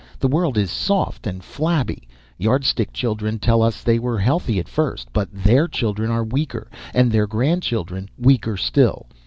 The world is soft and flabby. Yardstick children, they tell us, were healthy at first. But their children are weaker. And their grandchildren, weaker still.